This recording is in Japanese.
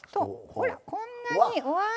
ほらこんなにうわ！